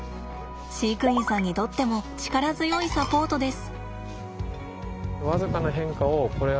飼育員さんにとっても力強いサポートです。